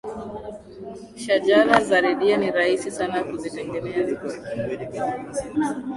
shajara za redio ni rahisi sana kuzitengeneza